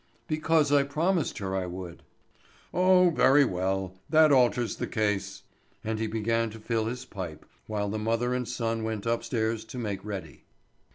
"Because I promised her I would." "Oh, very well. That alters the case." And he began to fill his pipe, while the mother and son went upstairs to make ready.